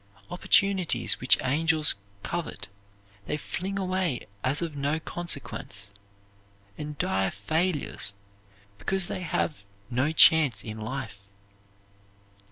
Opportunities which angels covet they fling away as of no consequence, and die failures, because they have "no chance in life."